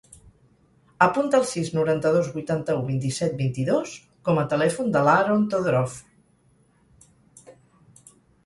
Apunta el sis, noranta-dos, vuitanta-u, vint-i-set, vint-i-dos com a telèfon de l'Aaron Todorov.